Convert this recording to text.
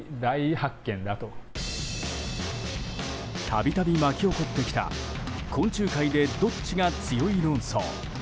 度々巻き起こってきた昆虫界でどっちが強い論争。